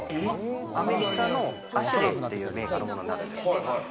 アメリカのアシュレイっていうメーカーのものなんですけどね。